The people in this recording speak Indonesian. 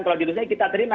kalau diluruskan kita terima